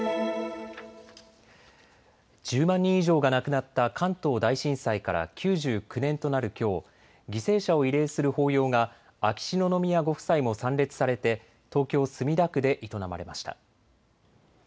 １０万人以上が亡くなった関東大震災から９９年となるきょう、犠牲者を慰霊する法要が秋篠宮ご夫妻も参列されて東京墨田区で営まれました。